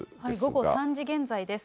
午後３時現在です。